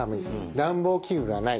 暖房器具がない。